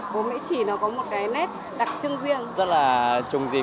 cô mễ trì nó có một nét đặc trưng riêng